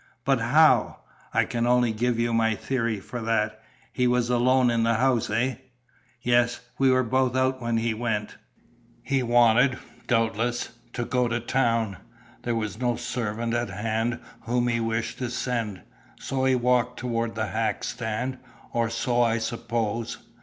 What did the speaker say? "But how?" "I can only give you my theory for that. He was alone in the house, eh?" "Yes. We were both out when he went." "He wanted, doubtless, to go to town. There was no servant at hand whom he wished to send, so he walked toward the hack stand, or so I suppose.